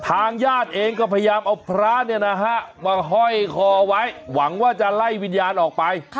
ทางญาติเองก็พยายามเอาพระมาห้อยคอไว้หวังว่าจะไล่วิญญาณออกไป